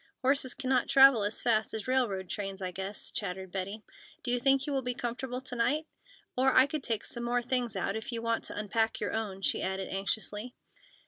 Horses cannot travel as fast as railroad trains, I guess," chattered Betty. "Do you think you will be comfortable to night? Or, I could take some more things out, if you want to unpack your own," she added anxiously.